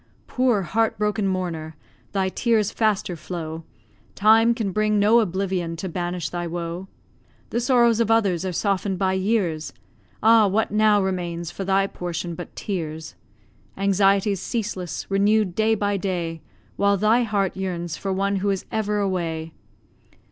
Poor, heart broken mourner! thy tears faster flow, Time can bring no oblivion to banish thy woe; The sorrows of others are soften'd by years. Ah, what now remains for thy portion but tears? Anxieties ceaseless, renew'd day by day, While thy heart yearns for one who is ever away.